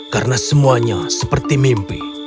karena semuanya seperti mimpi